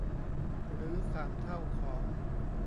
หรือสามเท่าของ